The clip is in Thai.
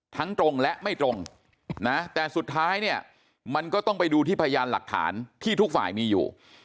ตรงและไม่ตรงนะแต่สุดท้ายเนี่ยมันก็ต้องไปดูที่พยานหลักฐานที่ทุกฝ่ายมีอยู่